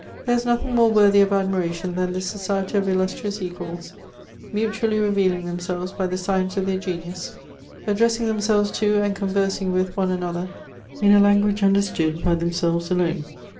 There is nothing more worthy of admiration than this society of illustrious equals, mutually revealing themselves by the signs of their genius; addressing themselves to, and conversing with, one another, in a language understood by themselves alone.